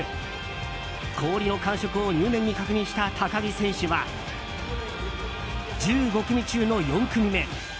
氷の感触を入念に確認した高木選手は１５組中の４組目。